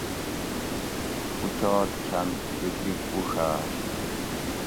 اوچات کھۤن لِگ لِگ اُڛاۤر